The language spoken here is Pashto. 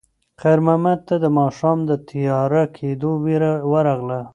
خیر محمد ته د ماښام د تیاره کېدو وېره ورغله.